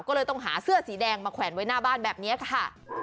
ก็เลยต้องหาเสื้อสีแดงมาแขวนไว้หน้าบ้านแบบนี้ค่ะ